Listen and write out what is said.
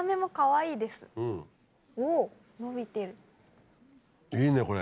いいねこれ。